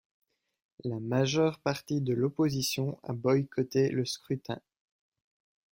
La majeure partie de l'opposition a boycotté le scrutin.